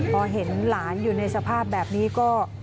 พอเห็นหลานอยู่ในสภาพแบบนี้ก็